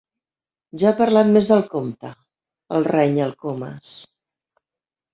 Ja ha parlat més del compte —el renya el Comas—.